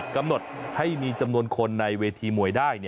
กำหนดให้มีจำนวนคนในเวทีมวยได้